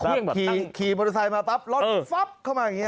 เครื่องแบบตั้งขี่มอเตอร์ไซค์มาปั๊บเออรถฟับเข้ามาอย่างงี้อ่ะ